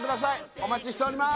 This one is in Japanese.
お待ちしております